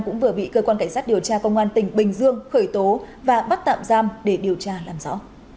cũng vừa bị cơ quan cảnh sát điều tra công an tỉnh bình dương khởi tố và bắt tạm giam để điều tra làm rõ